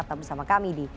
tetap bersama kami di